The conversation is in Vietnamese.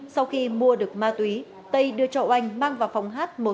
sau khi mua được ma túy tây đưa cho oanh mang vào phòng hát một trăm linh bốn đưa cho lực